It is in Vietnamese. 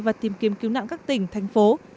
và tìm kiếm cứu nặng các tỉnh thành phố